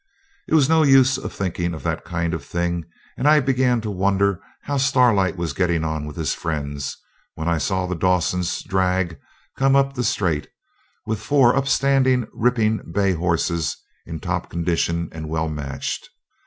It was no use thinking of that kind of thing, and I began to wonder how Starlight was getting on with his friends, when I saw the Dawsons' drag come up the straight, with four upstanding ripping bay horses in top condition, and well matched.